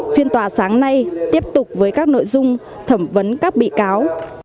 phiên tòa sáng nay tiếp tục với các nội dung thẩm vấn các bị cáo